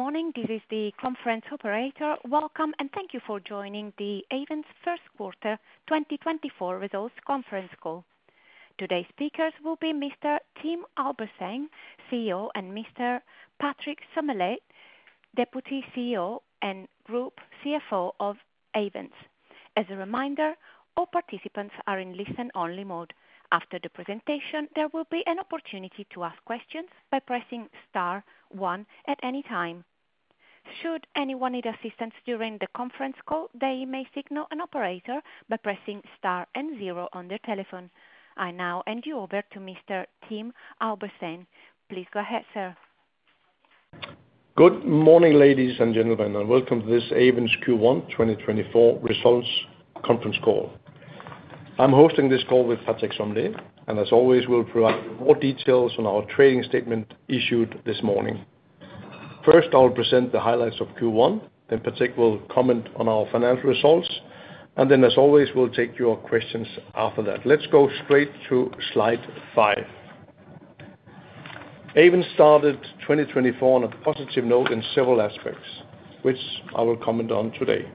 Good morning, this is the conference operator. Welcome, and thank you for joining Ayvens's Q1 2024 Results Conference Call. Today's speakers will be Mr. Tim Albertsen, CEO, and Mr. Patrick Sommelet, Deputy CEO and Group CFO of Ayvens. As a reminder, all participants are in listen-only mode. After the presentation, there will be an opportunity to ask questions by pressing star one at any time. Should anyone need assistance during the conference call, they may signal an operator by pressing Star and zero on their telephone. I now hand you over to Mr. Tim Albertsen. Please go ahead, sir. Good morning, ladies and gentlemen, and welcome to this Ayvens' Q1 2024 Results Conference Call. I'm hosting this call with Patrick Sommelet, and as always, we'll provide more details on our trading statement issued this morning. First, I'll present the highlights of Q1, then Patrick will comment on our financial results, and then, as always, we'll take your questions after that. Let's go straight to slide 5. Ayvens started 2024 on a positive note in several aspects, which I will comment on today.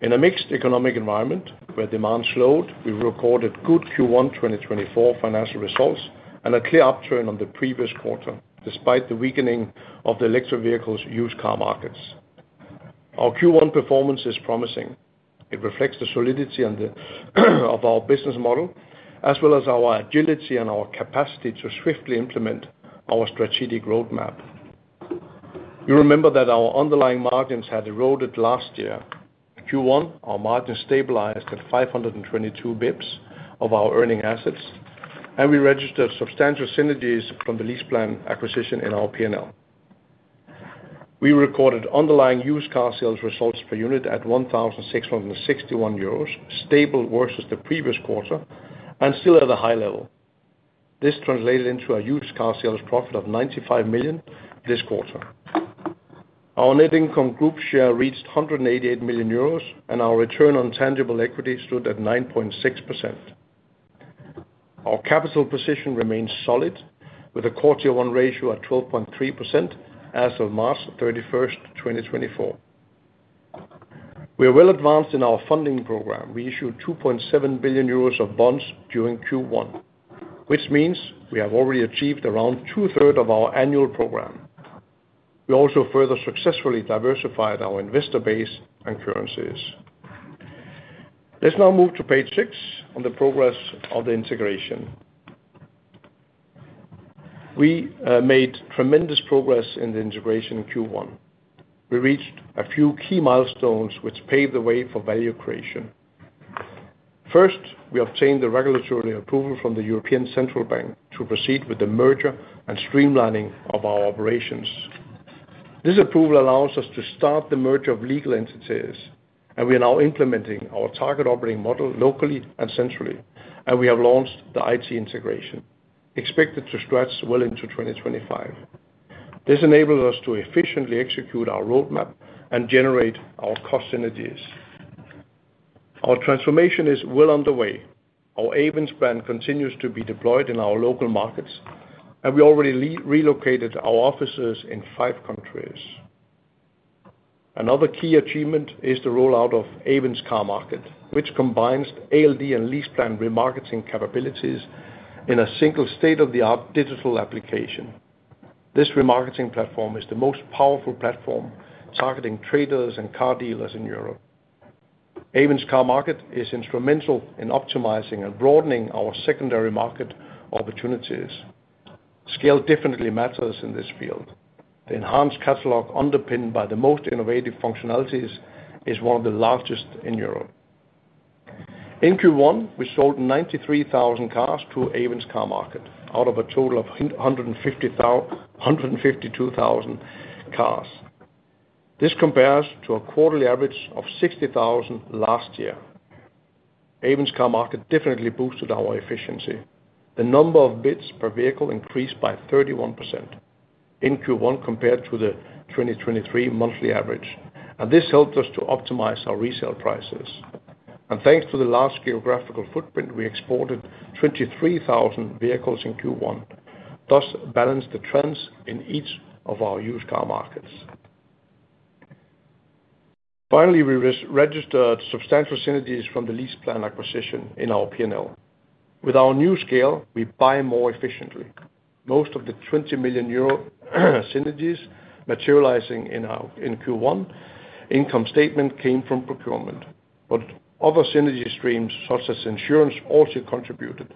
In a mixed economic environment, where demand slowed, we recorded good Q1 2024 financial results and a clear upturn on the previous quarter, despite the weakening of the electric vehicles' used car markets. Our Q1 performance is promising. It reflects the solidity and the of our business model, as well as our agility and our capacity to swiftly implement our strategic roadmap. You remember that our underlying margins had eroded last year. Q1, our margins stabilized at 522 bps of our earning assets, and we registered substantial synergies from the LeasePlan acquisition in our P&L. We recorded underlying used car sales results per unit at EUR 1,661, stable versus the previous quarter and still at a high level. This translated into a used car sales profit of 95 million this quarter. Our net income group share reached 188 million euros, and our return on tangible equity stood at 9.6%. Our capital position remains solid, with a Q1 ratio at 12.3% as of March 31, 2024. We are well advanced in our funding program. We issued 2.7 billion euros of bonds during Q1, which means we have already achieved around two-thirds of our annual program. We also further successfully diversified our investor base and currencies. Let's now move to page 6 on the progress of the integration. We made tremendous progress in the integration in Q1. We reached a few key milestones, which paved the way for value creation. First, we obtained the regulatory approval from the European Central Bank to proceed with the merger and streamlining of our operations. This approval allows us to start the merger of legal entities, and we are now implementing our target operating model locally and centrally, and we have launched the IT integration, expected to stretch well into 2025. This enables us to efficiently execute our roadmap and generate our cost synergies. Our transformation is well underway. Our Ayvens brand continues to be deployed in our local markets, and we already relocated our offices in five countries. Another key achievement is the rollout of Ayvens Carmarket, which combines ALD and LeasePlan remarketing capabilities in a single state-of-the-art digital application. This remarketing platform is the most powerful platform targeting traders and car dealers in Europe. Ayvens Carmarket is instrumental in optimizing and broadening our secondary market opportunities. Scale definitely matters in this field. The enhanced catalog, underpinned by the most innovative functionalities, is one of the largest in Europe. In Q1, we sold 93,000 cars to Ayvens Carmarket out of a total of 152,000 cars. This compares to a quarterly average of 60,000 last year. Ayvens Carmarket definitely boosted our efficiency. The number of bids per vehicle increased by 31% in Q1 compared to the 2023 monthly average, and this helped us to optimize our resale prices. Thanks to the large geographical footprint, we exported 23,000 vehicles in Q1, thus balanced the trends in each of our used car markets. Finally, we registered substantial synergies from the LeasePlan acquisition in our P&L. With our new scale, we buy more efficiently. Most of the 20 million euro synergies materializing in our Q1 income statement came from procurement. Other synergy streams, such as insurance, also contributed,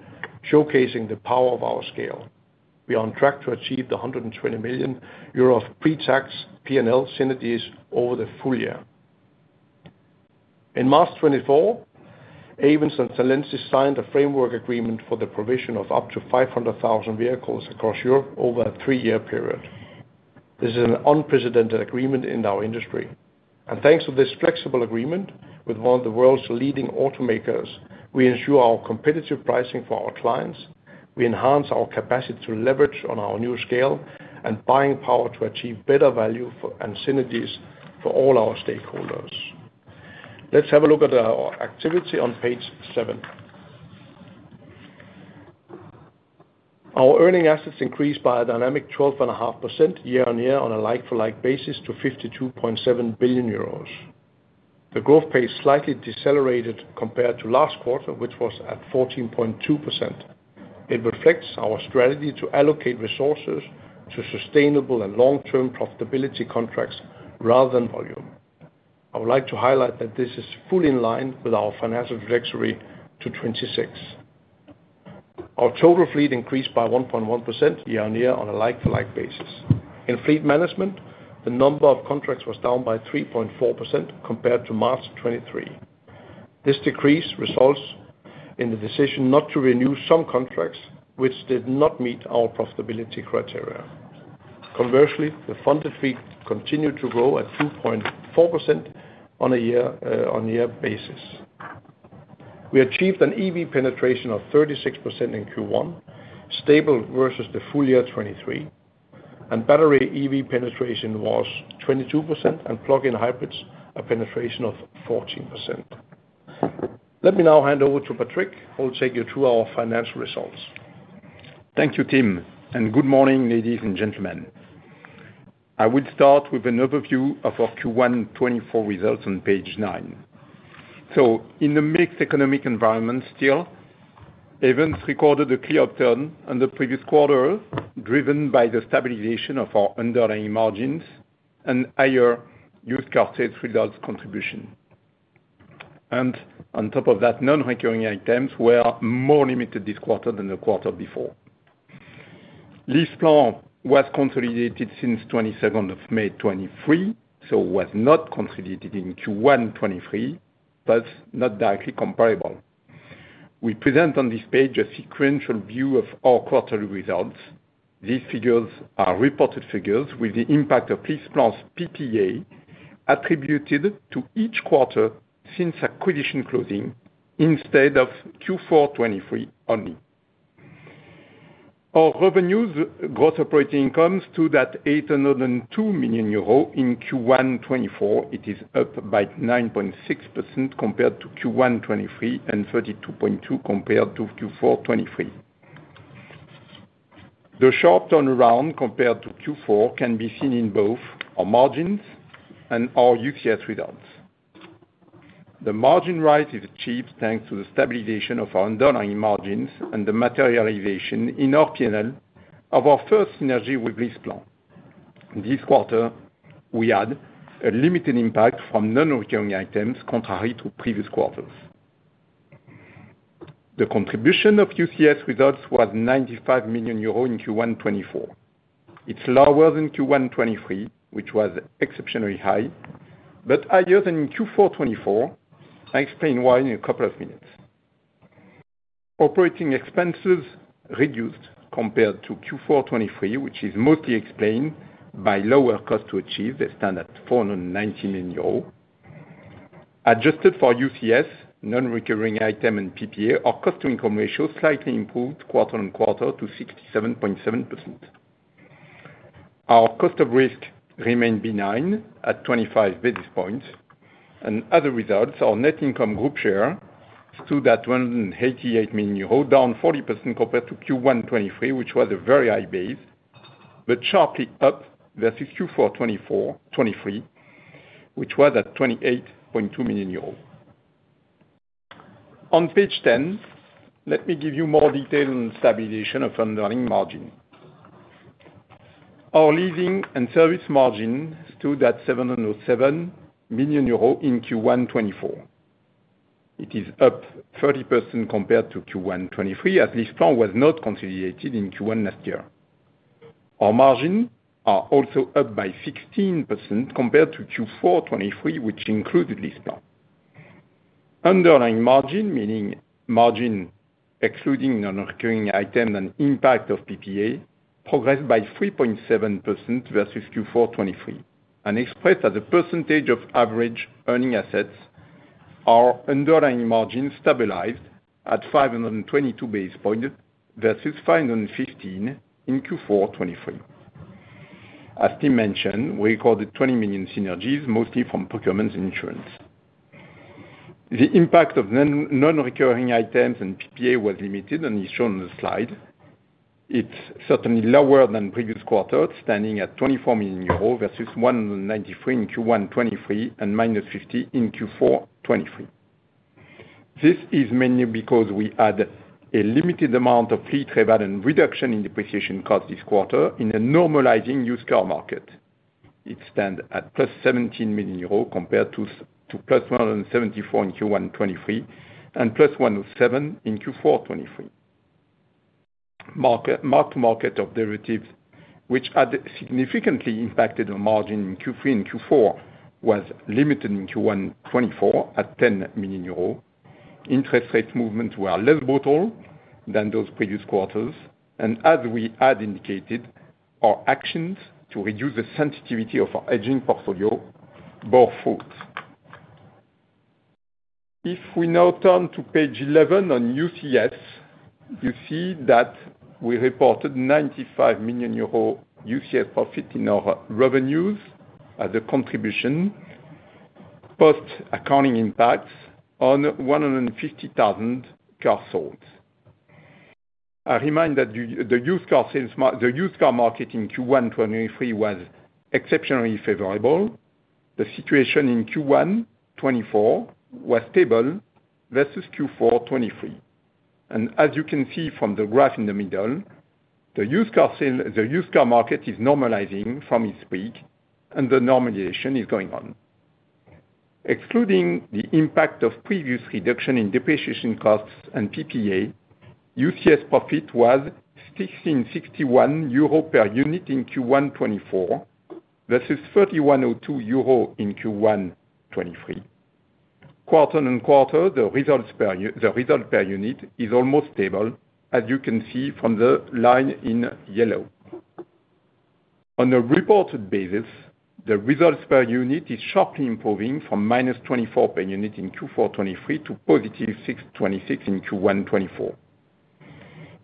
showcasing the power of our scale. We are on track to achieve the 120 million euro of pre-tax P&L synergies over the full year. In March 2024, Ayvens and Stellantis signed a framework agreement for the provision of up to 500,000 vehicles across Europe over a 3-year period. This is an unprecedented agreement in our industry, and thanks to this flexible agreement with one of the world's leading automakers, we ensure our competitive pricing for our clients, we enhance our capacity to leverage on our new scale, and buying power to achieve better value for and synergies for all our stakeholders. Let's have a look at our activity on page 7.... Our earning assets increased by a dynamic 12.5% year-on-year on a like-for-like basis, to 52.7 billion euros. The growth pace slightly decelerated compared to last quarter, which was at 14.2%. It reflects our strategy to allocate resources to sustainable and long-term profitability contracts rather than volume. I would like to highlight that this is fully in line with our financial trajectory to 2026. Our total fleet increased by 1.1% year-on-year on a like-for-like basis. In fleet management, the number of contracts was down by 3.4% compared to March 2023. This decrease results in the decision not to renew some contracts, which did not meet our profitability criteria. Commercially, the funded fleet continued to grow at 2.4% year-on-year basis. We achieved an EV penetration of 36% in Q1, stable versus the full year 2023, and battery EV penetration was 22%, and plug-in hybrids, a penetration of 14%. Let me now hand over to Patrick, who will take you through our financial results. Thank you, Tim, and good morning, ladies and gentlemen. I will start with an overview of our Q1 2024 results on page 9. So in the mixed economic environment still, Ayvens recorded a clear upturn on the previous quarter, driven by the stabilization of our underlying margins and higher used car sales results contribution. And on top of that, non-recurring items were more limited this quarter than the quarter before. LeasePlan was consolidated since twenty-second of May, 2023, so was not consolidated in Q1 2023, thus not directly comparable. We present on this page a sequential view of our quarterly results. These figures are reported figures with the impact of LeasePlan's PPA attributed to each quarter since acquisition closing instead of Q4 2023 only. Our revenues, gross operating income came to 802 million euros in Q1 2024. It is up by 9.6% compared to Q1 2023, and 32.2% compared to Q4 2023. The sharp turnaround compared to Q4 2023 can be seen in both our margins and our UCS results. The margin rise is achieved thanks to the stabilization of our underlying margins and the materialization in our P&L of our first synergy with LeasePlan. This quarter, we had a limited impact from non-recurring items, contrary to previous quarters. The contribution of UCS results was 95 million euros in Q1 2024. It's lower than Q1 2023, which was exceptionally high, but higher than in Q4 2024. I'll explain why in a couple of minutes. Operating expenses reduced compared to Q4 2023, which is mostly explained by lower cost to achieve at standard 490 million euros. Adjusted for UCS, non-recurring item and PPA, our cost income ratio slightly improved quarter-on-quarter to 67.7%. Our cost of risk remained benign at 25 basis points, and other results, our net income group share, stood at 188 million euros, down 40% compared to Q1 2023, which was a very high base, but sharply up versus Q4 2023, which was at 28.2 million euros. On page 10, let me give you more detail on stabilization of underlying margin. Our leasing and service margin stood at 707 million euros in Q1 2024. It is up 30% compared to Q1 2023, as LeasePlan was not consolidated in Q1 last year. Our margin are also up by 16% compared to Q4 2023, which included LeasePlan. Underlying margin, meaning margin excluding non-recurring item and impact of PPA, progressed by 3.7% versus Q4 2023, and expressed as a percentage of average earning assets, our underlying margin stabilized at 522 basis points versus 515 in Q4 2023. As Tim mentioned, we recorded 20 million synergies, mostly from procurements and insurance. The impact of non-recurring items and PPA was limited and is shown on the slide. It's certainly lower than previous quarters, standing at 24 million euros versus 193 in Q1 2023 and -50 in Q4 2023. This is mainly because we had a limited amount of fleet revenue reduction in depreciation costs this quarter in a normalizing used car market. It stands at +17 million euros, compared to +174 million in Q1 2023, and +EUR 107 million in Q4 2023. Mark-to-market derivatives, which had significantly impacted our margin in Q3 and Q4, were limited in Q1 2024 at 10 million euros. Interest rate movements were less volatile than those previous quarters, and as we had indicated, our actions to reduce the sensitivity of our aging portfolio bore fruit. If we now turn to page 11 on UCS, you see that we reported 95 million euro UCS profit in our revenues as a contribution.... post accounting impacts on 150,000 cars sold. I remind that the used car market in Q1 2023 was exceptionally favorable. The situation in Q1 2024 was stable versus Q4 2023. As you can see from the graph in the middle, the used car sales, the used car market is normalizing from its peak, and the normalization is going on. Excluding the impact of previous reduction in depreciation costs and PPA, UCS profit was 1,661 euro per unit in Q1 2024, versus 3,102 euro in Q1 2023. Quarter-on-quarter, the result per unit is almost stable, as you can see from the line in yellow. On a reported basis, the results per unit is sharply improving from -24 per unit in Q4 2023 to +626 in Q1 2024.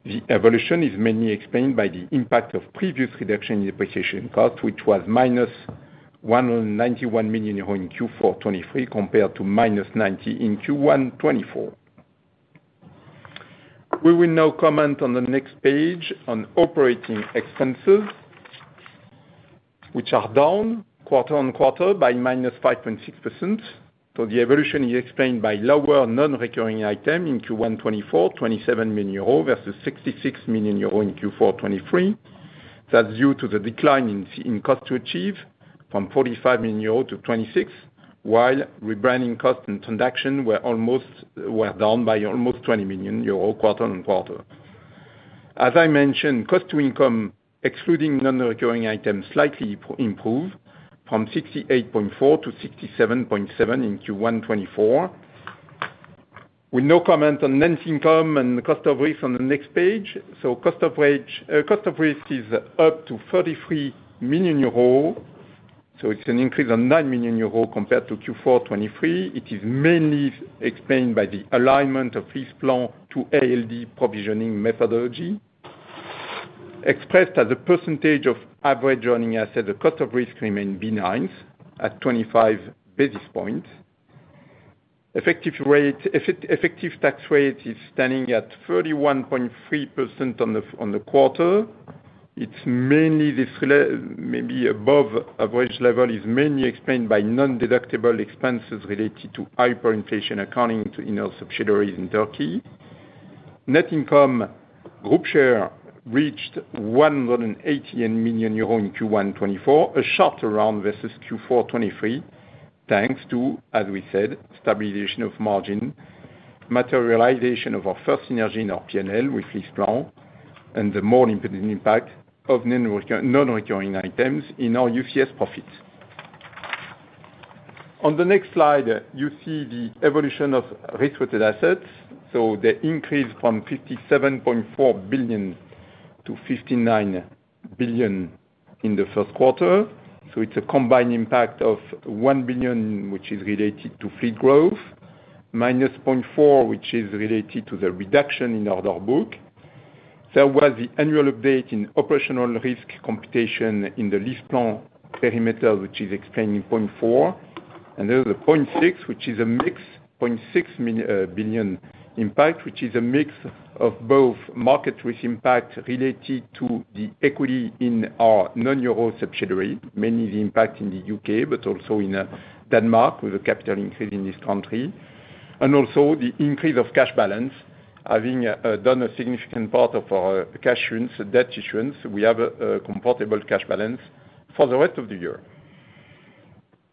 The evolution is mainly explained by the impact of previous reduction in depreciation cost, which was -191 million euro in Q4 2023, compared to -90 million in Q1 2024. We will now comment on the next page on operating expenses, which are down quarter-on-quarter by -5.6%. So the evolution is explained by lower non-recurring item in Q1 2024, 27 million euros, versus 66 million euros in Q4 2023. That's due to the decline in cost to achieve from 45 million euros to 26 million, while rebranding costs and transaction were down by almost 20 million euros, quarter-on-quarter. As I mentioned, cost to income, excluding non-recurring items, slightly improved from 68.4 to 67.7 in Q1 2024. We now comment on net income and cost of risk on the next page. So cost of risk is up to 33 million euro, so it's an increase on 9 million euro compared to Q4 2023. It is mainly explained by the alignment of LeasePlan to ALD provisioning methodology. Expressed as a percentage of average earning assets, the cost of risk remain benign, at 25 basis points. Effective rate, effective tax rate is standing at 31.3% on the quarter. It's mainly this level, maybe above average level, is mainly explained by non-deductible expenses related to hyperinflation, in our subsidiaries in Turkey. Net income group share reached 180 million euro in Q1 2024, a sharp rebound versus Q4 2023, thanks to, as we said, stabilization of margin, materialization of our first synergy in our PNL with LeasePlan, and the more limited impact of non-recurring items in our UCS profits. On the next slide, you see the evolution of risk-weighted assets, so they increase from 57.4 billion to 59 billion in the Q1. So it's a combined impact of 1 billion, which is related to fleet growth, minus 0.4, which is related to the reduction in order book. There was the annual update in operational risk computation in the LeasePlan perimeter, which is explained in point four, and there is a 0.6, which is a mix 0.6 billion impact, which is a mix of both market risk impact related to the equity in our non-Euro subsidiary, mainly the impact in the U.K., but also in Denmark, with a capital increase in this country. And also the increase of cash balance. Having done a significant part of our cash issuance, debt issuance, we have a comfortable cash balance for the rest of the year.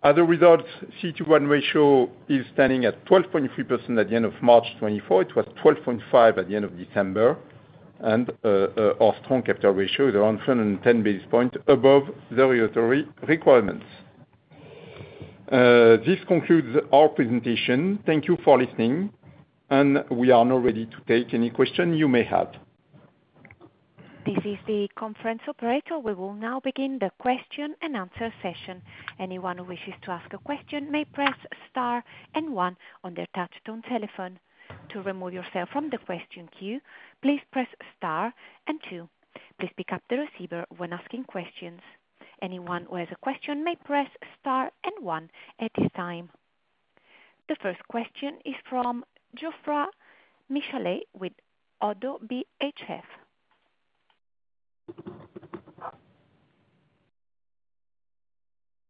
Other results, CET1 ratio is standing at 12.3% at the end of March 2024. It was 12.5 at the end of December, and our strong capital ratio is around 110 basis points above the regulatory requirements. This concludes our presentation. Thank you for listening, and we are now ready to take any question you may have. This is the conference operator. We will now begin the question and answer session. Anyone who wishes to ask a question may press star and one on their touchtone telephone. To remove yourself from the question queue, please press star and two. Please pick up the receiver when asking questions. Anyone who has a question may press star and one at this time. The first question is from Geoffroy Michalet with ODDO BHF.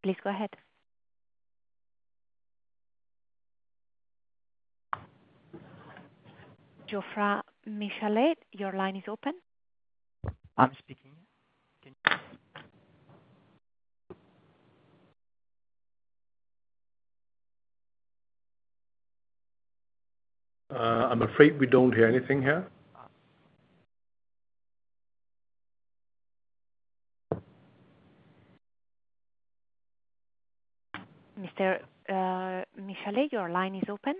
Please go ahead. Geoffroy Michalet, your line is open. I'm speaking. Can you- I'm afraid we don't hear anything here. Mister, Michalet, your line is open.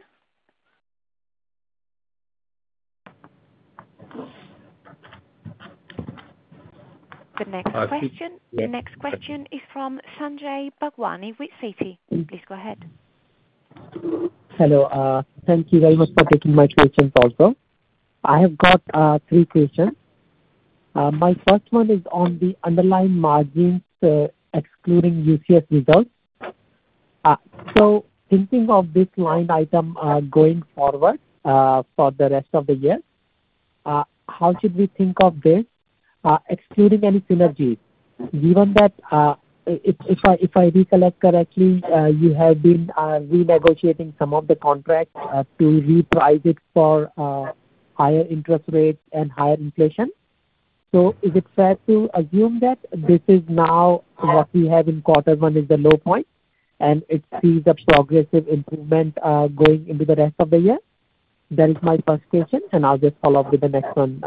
The next question- I think- The next question is from Sanjay Bhagwani with Citi. Please go ahead. Hello, thank you very much for taking my question also. I have got three questions. My first one is on the underlying margins, excluding UCS results. So thinking of this line item, going forward, for the rest of the year, how should we think of this, excluding any synergies, given that, if I recollect correctly, you have been renegotiating some of the contracts to reprice it for higher interest rates and higher inflation. So is it fair to assume that this is now what we have in quarter one is the low point, and it sees a progressive improvement, going into the rest of the year? That is my first question, and I'll just follow up with the next one,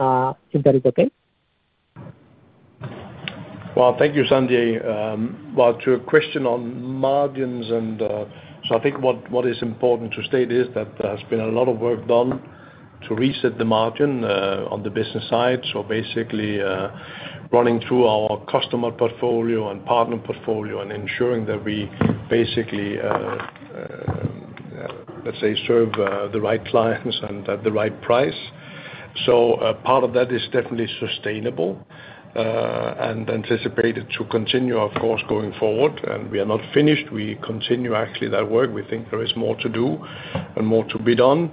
if that is okay. Well, thank you, Sanjay. Well, to your question on margins and, so I think what is important to state is that there's been a lot of work done to reset the margin on the business side. So basically, running through our customer portfolio and partner portfolio and ensuring that we basically, let's say, serve the right clients and at the right price. So a part of that is definitely sustainable and anticipated to continue, of course, going forward. We are not finished. We continue actually that work. We think there is more to do and more to be done.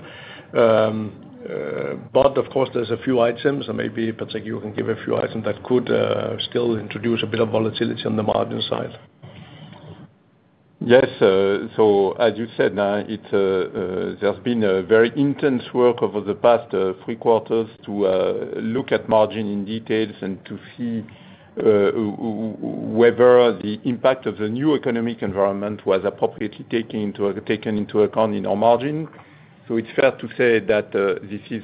But of course, there's a few items, and maybe Patrick, you can give a few items that could still introduce a bit of volatility on the margin side. Yes, so as you said, it's, there's been a very intense work over the past three quarters to look at margin in details and to see whether the impact of the new economic environment was appropriately taken into, taken into account in our margin. So it's fair to say that this is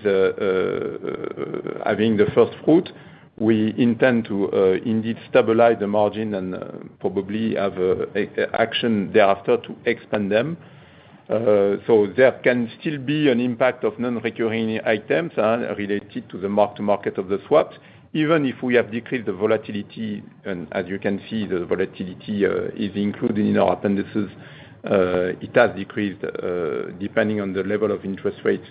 having the first fruit. We intend to indeed stabilize the margin and probably have a action thereafter to expand them. So there can still be an impact of non-recurring items related to the mark to market of the swaps, even if we have decreased the volatility, and as you can see, the volatility is included in our appendices. It has decreased depending on the level of interest rates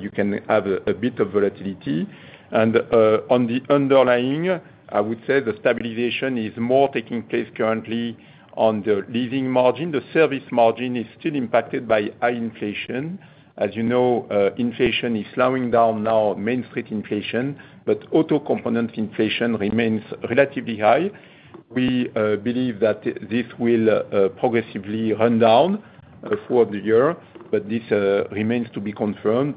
you can have a bit of volatility. On the underlying, I would say the stabilization is more taking place currently on the leasing margin. The service margin is still impacted by high inflation. As you know, inflation is slowing down now, main street inflation, but auto component inflation remains relatively high. We believe that this will progressively run down throughout the year, but this remains to be confirmed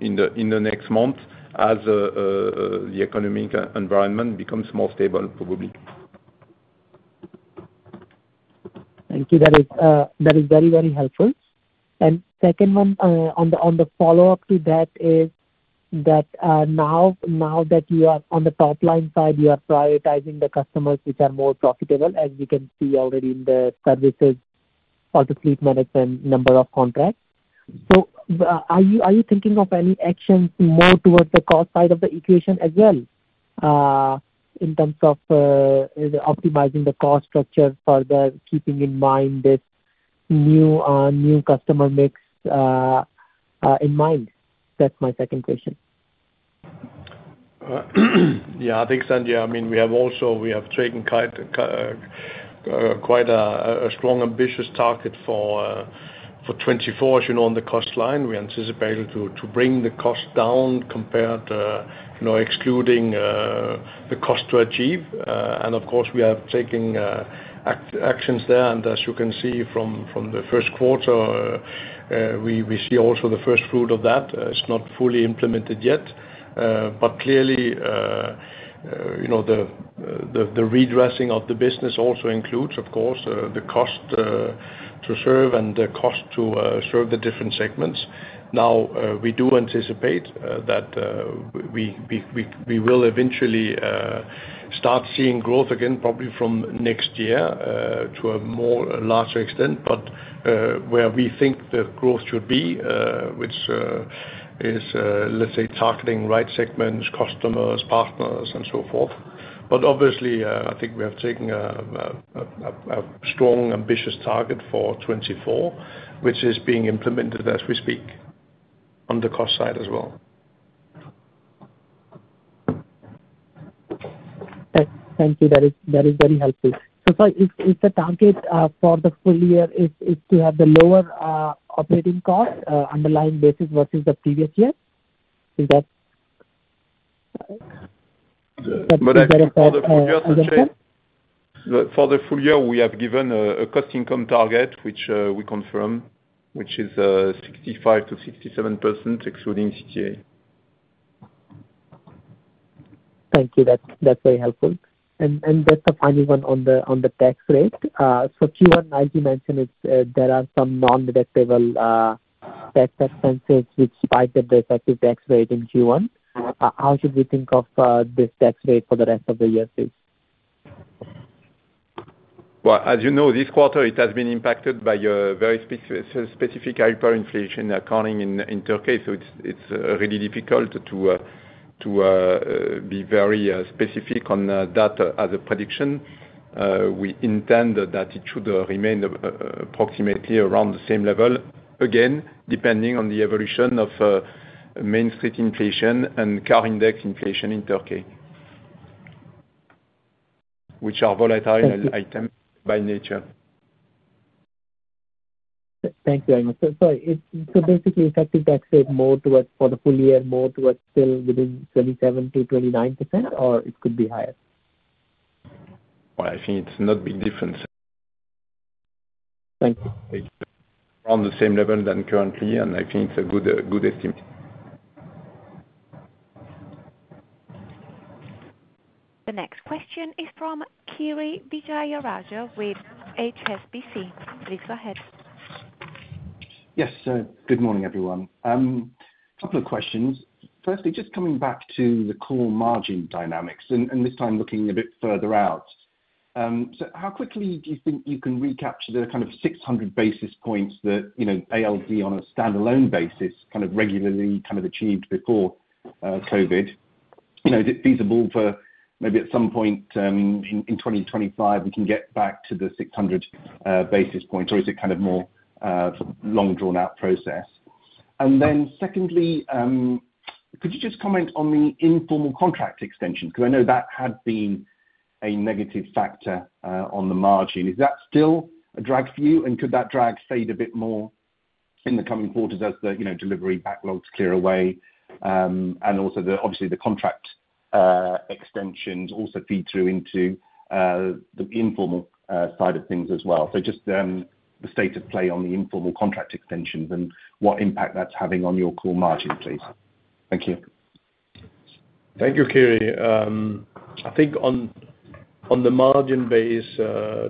in the next month as the economic environment becomes more stable, probably. Thank you. That is very, very helpful. Second one, on the follow-up to that is that now that you are on the top-line side, you are prioritizing the customers which are more profitable, as you can see already in the services, auto fleet management, number of contracts. So, are you thinking of any actions more towards the cost side of the equation as well, in terms of either optimizing the cost structure further, keeping in mind this new customer mix in mind? That's my second question. Yeah, I think, Sanjay, I mean, we have also we have taken quite a strong, ambitious target for 2024, as you know, on the cost line. We anticipate it to bring the cost down compared, you know, excluding the cost to achieve. And of course, we have taken actions there, and as you can see from the Q1, we see also the first fruit of that. It's not fully implemented yet, but clearly, you know, the redressing of the business also includes, of course, the cost to serve and the cost to serve the different segments. Now, we do anticipate that we will eventually start seeing growth again, probably from next year, to a more larger extent. But where we think the growth should be, which is, let's say, targeting right segments, customers, partners, and so forth. But obviously, I think we have taken a strong, ambitious target for 2024, which is being implemented as we speak, on the cost side as well. Thank you. That is very helpful. So if the target for the full year is to have the lower operating cost underlying basis versus the previous year, is that correct? But for the full year, Sanjay- Okay. For the full year, we have given a cost income target, which we confirm, which is 65%-67%, excluding CTA. Thank you. That's, that's very helpful. And, and just a final one on the, on the tax rate. So Q1, as you mentioned, it's, there are some non-deductible, tax expenses which spiked the effective tax rate in Q1. How should we think of, this tax rate for the rest of the year, please? Well, as you know, this quarter, it has been impacted by a very specific hyperinflation accounting in Turkey, so it's really difficult to be very specific on that as a prediction. We intend that it should remain approximately around the same level. Again, depending on the evolution of, main street inflation and car index inflation in Turkey, which are volatile items by nature. Thank you very much. Sorry, so basically, effective tax rate more towards for the full year, more towards still within 27%-29%, or it could be higher? Well, I think it's not big difference. Thank you. On the same level than currently, and I think it's a good, good estimate. The next question is from Kiri Vijayarajah with HSBC. Please go ahead. Yes, sir. Good morning, everyone. Couple of questions. Firstly, just coming back to the core margin dynamics, and this time looking a bit further out. So how quickly do you think you can recapture the kind of 600 basis points that, you know, ALD, on a standalone basis, kind of regularly kind of achieved before COVID? You know, is it feasible for maybe at some point in 2025 we can get back to the 600 basis points, or is it kind of more long drawn out process? And then secondly, could you just comment on the informal contract extension? Because I know that had been a negative factor on the margin. Is that still a drag for you, and could that drag fade a bit more in the coming quarters as the, you know, delivery backlogs clear away, and also the, obviously, the contract, extensions also feed through into, the informal, side of things as well? So just, the state of play on the informal contract extensions and what impact that's having on your core margin, please. Thank you. Thank you, Kiri. I think on the margin base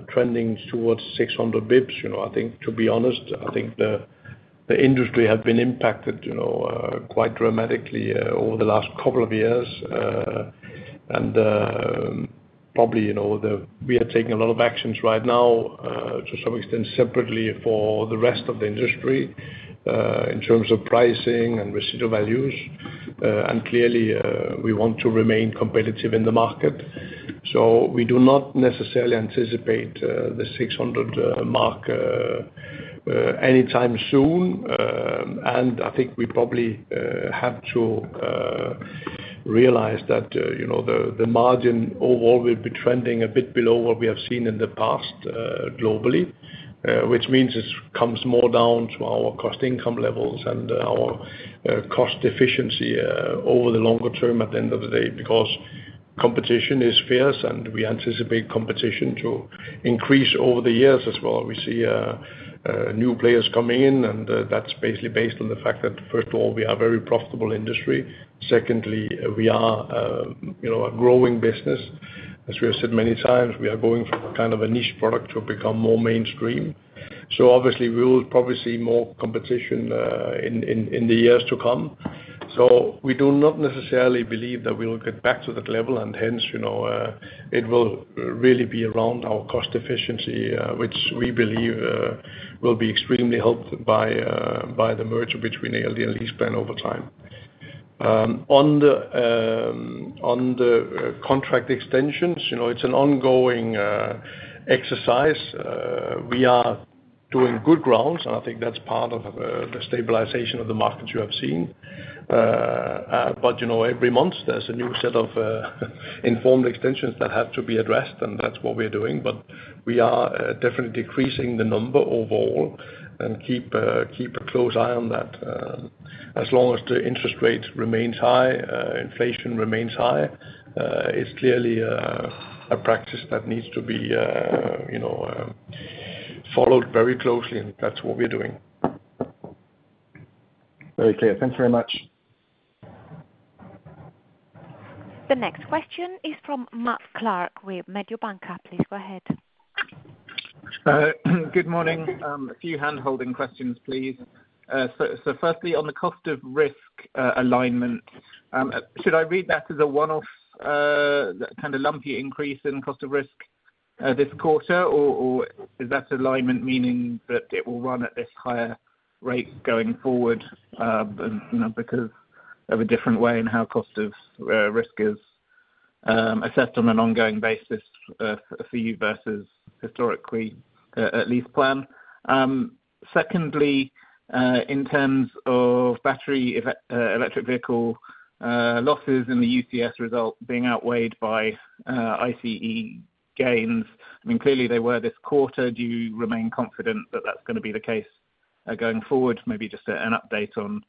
trending towards 600 basis points, you know, I think to be honest, I think the industry has been impacted, you know, quite dramatically over the last couple of years. And probably, you know, we are taking a lot of actions right now to some extent, separately for the rest of the industry in terms of pricing and residual values, and clearly we want to remain competitive in the market. So we do not necessarily anticipate the 600 mark anytime soon. And I think we probably have to realize that, you know, the margin overall will be trending a bit below what we have seen in the past globally. Which means it's comes more down to our cost income levels and our cost efficiency over the longer term at the end of the day, because competition is fierce, and we anticipate competition to increase over the years as well. We see new players coming in, and that's basically based on the fact that, first of all, we are a very profitable industry. Secondly, we are, you know, a growing business. As we have said many times, we are going from kind of a niche product to become more mainstream. So obviously, we will probably see more competition in the years to come. So we do not necessarily believe that we will get back to that level, and hence, you know, it will really be around our cost efficiency, which we believe will be extremely helped by the merger between ALD and LeasePlan over time. On the contract extensions, you know, it's an ongoing exercise. We are doing good grounds, and I think that's part of the stabilization of the markets you have seen. But, you know, every month there's a new set of informed extensions that have to be addressed, and that's what we're doing. But we are definitely decreasing the number overall and keep a close eye on that. As long as the interest rate remains high, inflation remains high, it's clearly a practice that needs to be, you know, followed very closely, and that's what we're doing. Very clear. Thanks very much. The next question is from Matt Clark with Mediobanca. Please go ahead. Good morning. A few handholding questions, please. So, firstly, on the cost of risk alignment, should I read that as a one-off kind of lumpy increase in cost of risk this quarter? Or is that alignment meaning that it will run at this higher rate going forward, and you know, because of a different way in how cost of risk is assessed on an ongoing basis for you versus historically at LeasePlan? Secondly, in terms of battery electric vehicle losses in the UCS result being outweighed by ICE gains, I mean, clearly they were this quarter. Do you remain confident that that's gonna be the case going forward? Maybe just an update on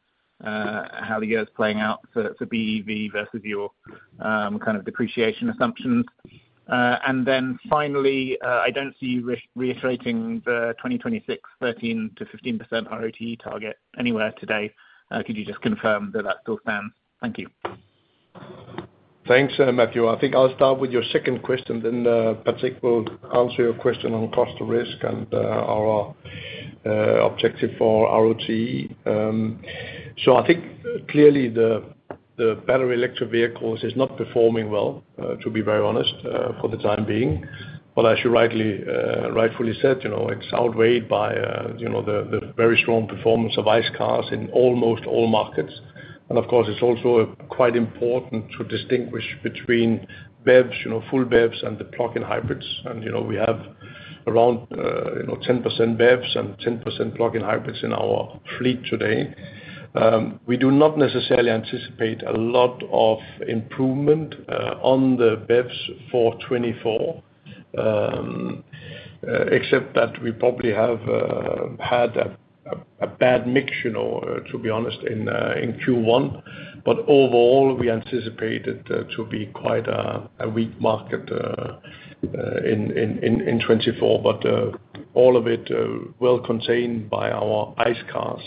how the year is playing out for BEV versus your kind of depreciation assumptions. And then finally, I don't see you reiterating the 2026 13%-15% ROTE target anywhere today. Could you just confirm that that still stands? Thank you. Thanks, Matthew. I think I'll start with your second question, then, Patrick will answer your question on cost of risk and, our objective for ROTE. So I think clearly the battery electric vehicles is not performing well, to be very honest, for the time being. But as you rightly, rightfully said, you know, it's outweighed by, you know, the very strong performance of ICE cars in almost all markets. And of course, it's also quite important to distinguish between BEVs, you know, full BEVs and the plug-in hybrids. And, you know, we have around, you know, 10% BEVs and 10% plug-in hybrids in our fleet today. We do not necessarily anticipate a lot of improvement on the BEVs for 2024, except that we probably have had a bad mix, you know, to be honest, in Q1. But overall, we anticipate it to be quite a weak market in 2024. But all of it well contained by our ICE cars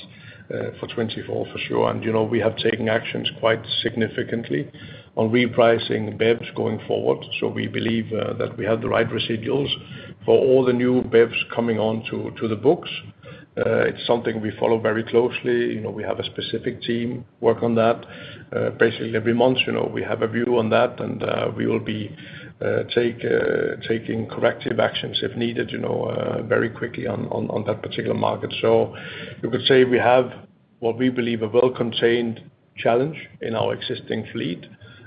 for 2024, for sure. And you know, we have taken actions quite significantly on repricing BEVs going forward, so we believe that we have the right residuals for all the new BEVs coming onto the books. It's something we follow very closely. You know, we have a specific team work on that. Basically, every month, you know, we have a view on that, and we will be taking corrective actions if needed, you know, very quickly on that particular market. So you could say we have what we believe a well-contained challenge in our existing fleet.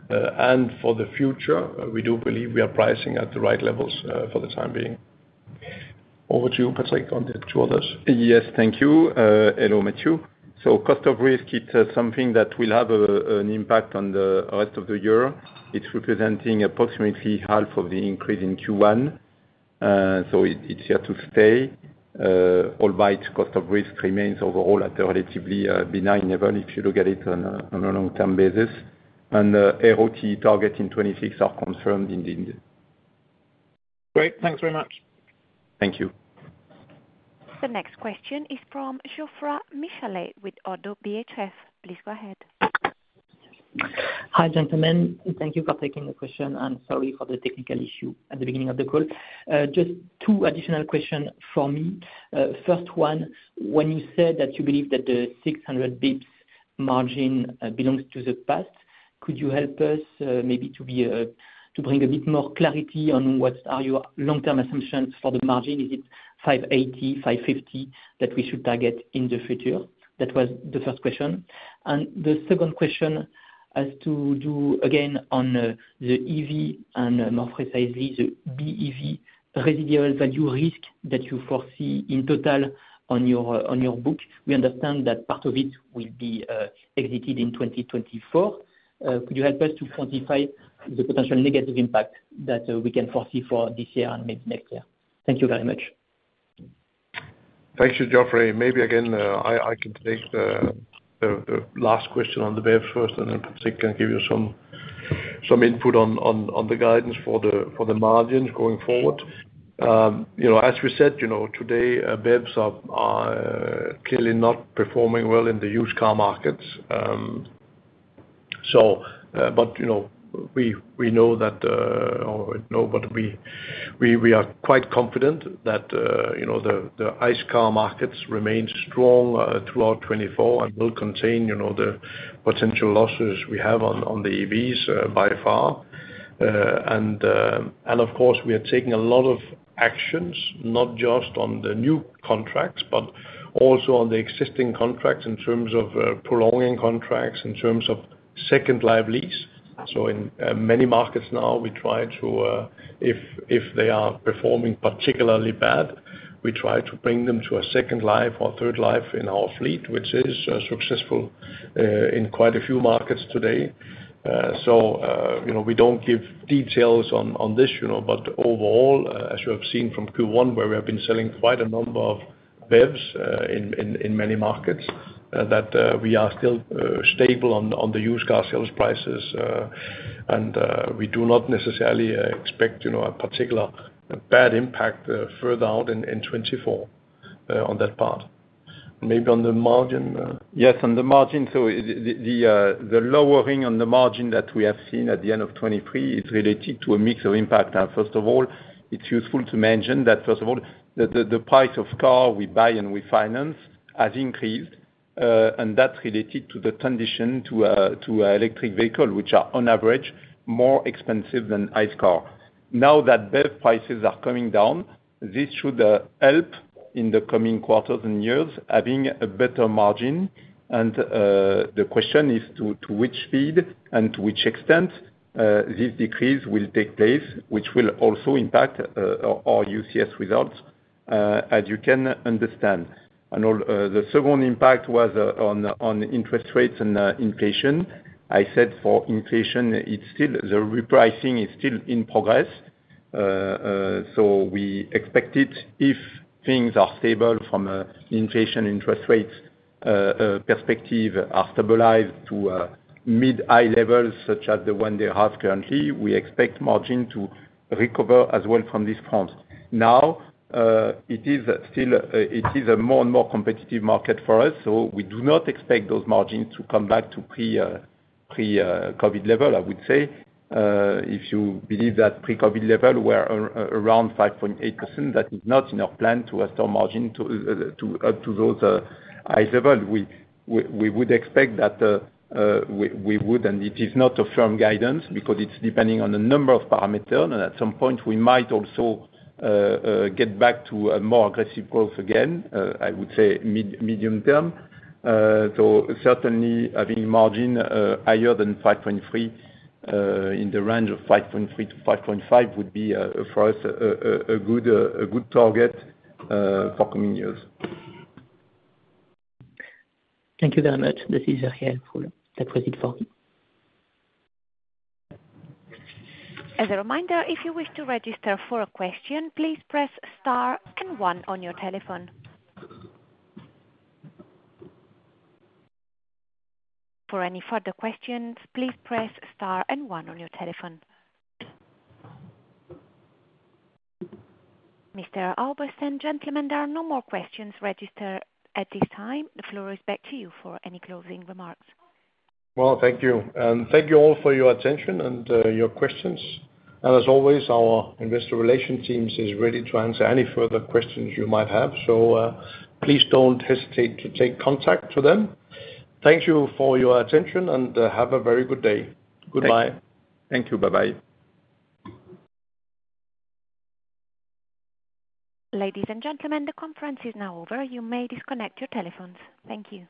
And for the future, we do believe we are pricing at the right levels for the time being. Over to you, Patrick, on the two others. Yes, thank you. Hello, Matthew. So cost of risk, it's something that will have an impact on the rest of the year. It's representing approximately half of the increase in Q1, so it, it's here to stay. Albeit cost of risk remains overall at a relatively benign level if you look at it on a long-term basis. ROTE targets in 2026 are confirmed indeed. Great. Thanks very much. Thank you. The next question is from Geoffroy Michalet with ODDO BHF. Please go ahead. Hi, gentlemen. Thank you for taking the question, and sorry for the technical issue at the beginning of the call. Just two additional question from me. First one, when you said that you believe that the 600 basis points margin belongs to the past, could you help us, maybe to be, to bring a bit more clarity on what are your long-term assumptions for the margin? Is it 580, 550, that we should target in the future? That was the first question. And the second question has to do, again, on the EV and, more precisely, the BEV residual value risk that you foresee in total on your, on your book. We understand that part of it will be exited in 2024. Could you help us to quantify the potential negative impact that we can foresee for this year and maybe next year? Thank you very much. Thank you, Geoffroy. Maybe again, I can take the last question on the BEV first, and then Patrick can give you some input on the guidance for the margins going forward. You know, as we said, you know, today, BEVs are clearly not performing well in the used car markets. But you know, we are quite confident that, you know, the ICE car markets remain strong throughout 2024 and will contain the potential losses we have on the EVs by far. Of course, we are taking a lot of actions, not just on the new contracts, but also on the existing contracts in terms of prolonging contracts, in terms of second life lease. So in many markets now, we try to, if they are performing particularly bad, we try to bring them to a second life or third life in our fleet, which is successful in quite a few markets today. So you know, we don't give details on this, you know, but overall, as you have seen from Q1, where we have been selling quite a number of BEVs in many markets, that we are still stable on the used car sales prices. And we do not necessarily expect, you know, a particular bad impact further out in 2024 on that part. Maybe on the margin. Yes, on the margin, so, the lowering on the margin that we have seen at the end of 2023 is related to a mix of impact. And first of all, it's useful to mention that, first of all, the price of car we buy and we finance has increased, and that's related to the transition to electric vehicles, which are on average more expensive than ICE cars. Now that BEV prices are coming down, this should help in the coming quarters and years, having a better margin. And the question is to which speed and to which extent this decrease will take place, which will also impact our UCS results, as you can understand. And the second impact was on interest rates and inflation. I said for inflation, it's still, the repricing is still in progress. So we expect it, if things are stable from a inflation interest rate perspective, are stabilized to mid-high levels, such as the one they have currently, we expect margin to recover as well from this front. Now, it is still, it is a more and more competitive market for us, so we do not expect those margins to come back to pre-COVID level, I would say. If you believe that pre-COVID level were around 5.8%, that is not in our plan to restore margin to those high level. We would expect that we would, and it is not a firm guidance because it's depending on a number of parameters, and at some point we might also get back to a more aggressive growth again, I would say mid-medium term. So certainly having margin higher than 5.3, in the range of 5.3-5.5, would be for us a good target for coming years. Thank you very much. This is very helpful. That was it for me. As a reminder, if you wish to register for a question, please press star and one on your telephone. For any further questions, please press star and one on your telephone. Mr. Albertsen and gentlemen, there are no more questions registered at this time. The floor is back to you for any closing remarks. Well, thank you. And thank you all for your attention and your questions. And as always, our investor relation teams is ready to answer any further questions you might have. So, please don't hesitate to take contact to them. Thank you for your attention, and have a very good day. Goodbye. Thank you. Bye-bye. Ladies and gentlemen, the conference is now over. You may disconnect your telephones. Thank you.